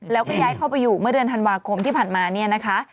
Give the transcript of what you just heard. แล้วก็ย้ายเข้าไปอยู่เมื่อเดือนธันวาคมที่ผ่านมาเนี่ยนะคะ